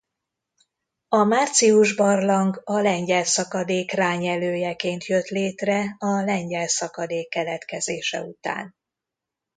A Március-barlang a Lengyel-szakadék rányelőjeként jött létre a Lengyel-szakadék keletkezése után.